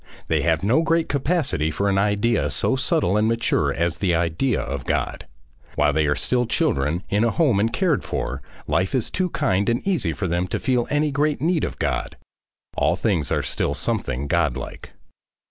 They have no great capacity for an idea so subtle and mature as the idea of God. While they are still children in a home and cared for, life is too kind and easy for them to feel any great need of God. All things are still something God like.